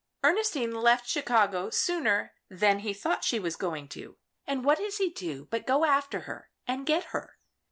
Ernestine left Chicago sooner than he thought she was going to, and what does he do but go after her and get her!